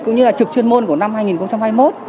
cũng như là trực chuyên môn của năm hai nghìn hai mươi một